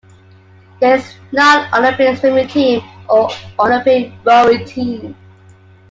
There is not an Olympic swimming team or Olympic rowing team.